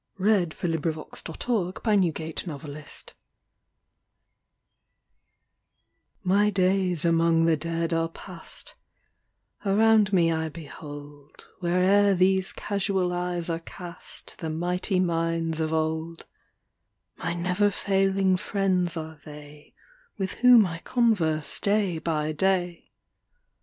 Stanzas Written in His Library 1V/TY days among the Dead are past; *•• Around me I behold, Where'er these casual eyes are cast, The mighty minds of old; My never failing friends are they, With whom I converse day by day.